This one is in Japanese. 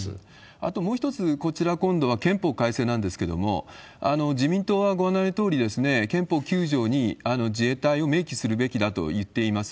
あともう一つ、こちら、今度は憲法改正なんですけれども、自民党はご案内のとおり、憲法９条に自衛隊を明記するべきだといっています。